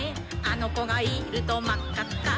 「あのこがいるとまっかっか」